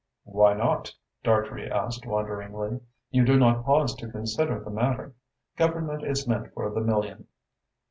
"Why not?" Dartrey asked wonderingly. "You do not pause to consider the matter. Government is meant for the million.